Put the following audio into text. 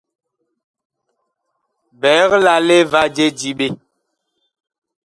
Biig lale va je diɓe.